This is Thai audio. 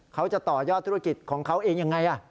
เขาจะต่อยอดธุรกิจของเขาเองยังไง